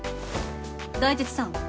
大鉄さん